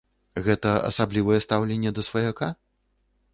Гэта асаблівае стаўленне да сваяка?